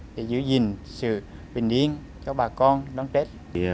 để giữ gìn sự bình yên cho bà con đón tết